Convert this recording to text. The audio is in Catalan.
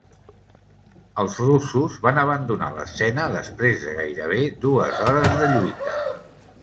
Els russos van abandonar l'escena després de gairebé dues hores de lluita.